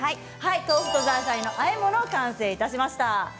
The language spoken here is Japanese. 豆腐とザーサイのあえ物完成しました。